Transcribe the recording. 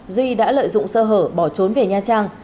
duy đã lợi dụng sơ hở bỏ trốn về nha trang